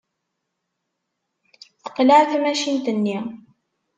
Teqleɛ tmacint-nni.